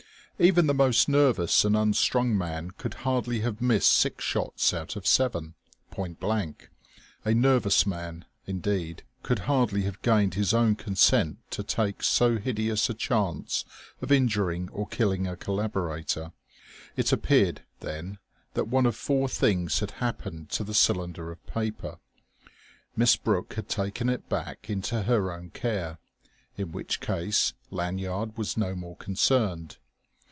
Even the most nervous and unstrung man could hardly have missed six shots out of seven, point blank. A nervous man, indeed, could hardly have gained his own consent to take so hideous a chance of injuring or killing a collaborator. It appeared, then, that one of four things had happened to the cylinder of paper: Miss Brooke had taken it back into her own care. In which case Lanyard was no more concerned.